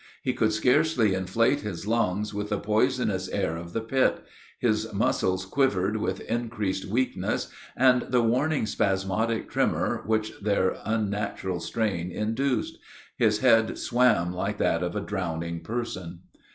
He could scarcely inflate his lungs with the poisonous air of the pit; his muscles quivered with increasing weakness and the warning spasmodic tremor which their unnatural strain induced; his head swam like that of a drowning person.